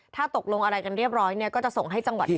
ถ้าตกลงอะไรกันเรียบร้อยเนี่ยก็จะส่งให้จังหวัดนี้